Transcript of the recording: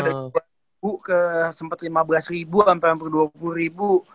udah udah ke sempet lima belas ribu sampai dua puluh ribu